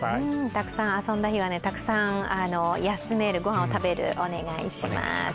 たくさん遊んだ日はたくさん体を休める、ご飯を食べる、お願いします。